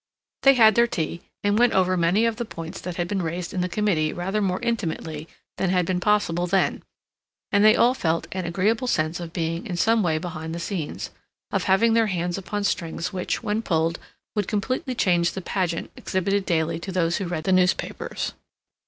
They had their tea, and went over many of the points that had been raised in the committee rather more intimately than had been possible then; and they all felt an agreeable sense of being in some way behind the scenes; of having their hands upon strings which, when pulled, would completely change the pageant exhibited daily to those who read the newspapers.